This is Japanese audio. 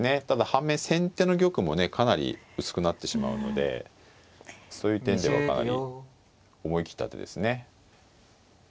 ただ反面先手の玉もねかなり薄くなってしまうのでそういう点ではかなり思い切った手ですね。